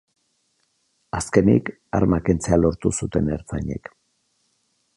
Azkenik, arma kentzea lortu zuten ertzainek.